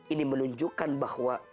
ini menunjukkan bahwa